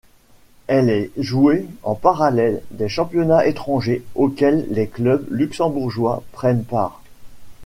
Elle est jouée en parallèle des championnats étrangers auxquels les clubs luxembourgeois prennent part.